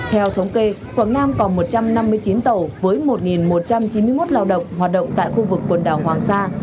theo thống kê quảng nam còn một trăm năm mươi chín tàu với một một trăm chín mươi một lao động hoạt động tại khu vực quần đảo hoàng sa